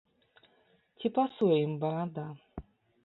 Ці пасуе ім барада?